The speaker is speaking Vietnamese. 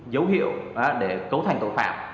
dấu hiệu để cấu thành tội phạm